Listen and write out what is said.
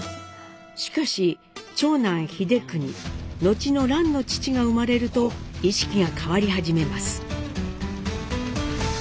しかし長男英邦後の蘭の父が生まれると意識が変わり始めます。